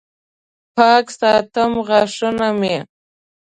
پاک ساتم غاښونه مې